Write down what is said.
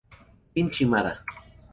Bin Shimada